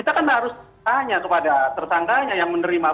kita kan harus tanya kepada tersangkanya yang menerima